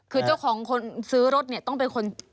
คือเจ้าของคนซื้อรถต้องเป็นคนรับผิดชอบ